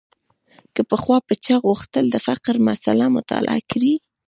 که پخوا به چا غوښتل د فقر مسأله مطالعه کړي.